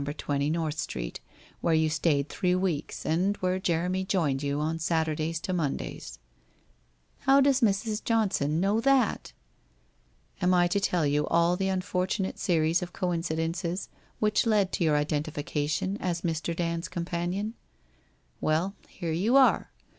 20 Xorth Street, where you stayed three weeks, and where Jeremy joined you on Saturdays, to Mondays/ ' How does Mrs. Johnson know that ?'' Am I to tell you all the unfortunate series of coinci dences which led to your identification as Mr. Dand's com panion ? Well, here you are